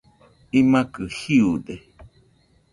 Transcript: imakɨ jiude